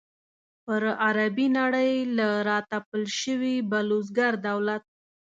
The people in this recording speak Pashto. پر عربي نړۍ له را تپل شوي بلوسګر دولت.